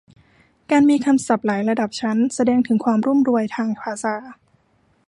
การมีคำศัพท์หลายระดับชั้น แสดงถึงความรุ่มรวยทางภาษา